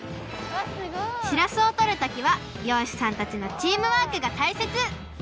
しらすをとるときはりょうしさんたちのチームワークがたいせつ！